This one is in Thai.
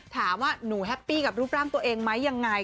ถามว่าหนูแฮปปี้กับรูปร่างตัวเองไหมยังไง